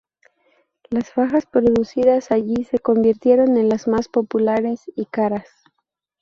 Las fajas producidas allí se convirtieron en las más populares y caras.